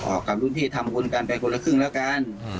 ออกกับรุ่นพี่ทำบุญกันไปคนละครึ่งแล้วกัน